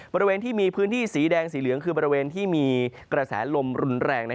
บริเวณที่มีพื้นที่สีแดงสีเหลืองคือบริเวณที่มีกระแสลมรุนแรง